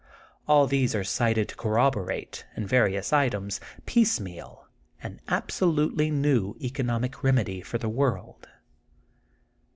All these are cited to corrobo rate, in various items, piecemeal, an abso lutely new economic remedy for the world.